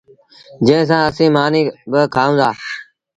جھڻ سآݩ اسيٚݩ مآݩيٚ با کآئوݩ دآ۔